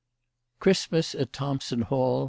CHKISTMAS AT THOMPSON HALL.